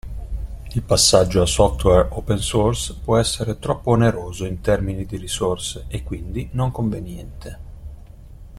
Il passaggio a software open source può essere troppo oneroso in termini di risorse, e quindi non conveniente.